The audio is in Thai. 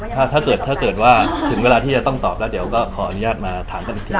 ถ้าเกิดถ้าเกิดว่าถึงเวลาที่จะต้องตอบแล้วเดี๋ยวก็ขออนุญาตมาถามกันอีกที